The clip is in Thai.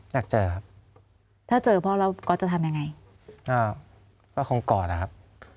อยากเจอครับถ้าเจอพ่อเราก็จะทำยังไงอ่าก็คงกอดอะครับ